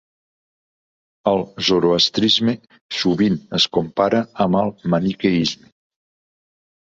El zoroastrisme sovint es compara amb el maniqueisme.